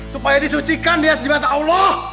supaya disucikan dia di mata allah